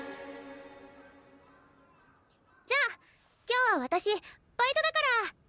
じゃあ今日は私バイトだから。